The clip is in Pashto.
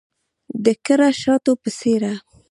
د کره شاتو په څیرې